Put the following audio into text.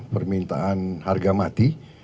permintaan harga mati